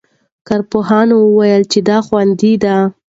کارپوهانو ویلي چې دا خوندي دی.